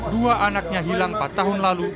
dua anaknya hilang empat tahun lalu